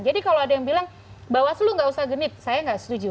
kalau ada yang bilang bawaslu nggak usah genit saya nggak setuju